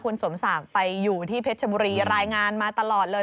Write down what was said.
คุณสมศักดิ์ไปอยู่ที่เพชรชบุรีรายงานมาตลอดเลย